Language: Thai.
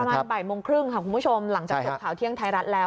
ประมาณบ่ายโมงครึ่งค่ะคุณผู้ชมหลังจากจบข่าวเที่ยงไทยรัฐแล้ว